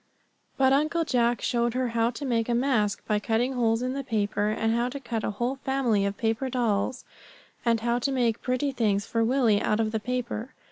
But Uncle Jack showed her how to make a mask by cutting holes in the paper, and how to cut a whole family of paper dolls, and how to make pretty things for Willie out of the paper.